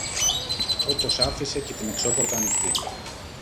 Όπως άφησε και την εξώπορτα ανοιχτή